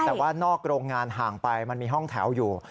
แต่ว่านอกโรงงานห่างไปมันมีห้องแถวอยู่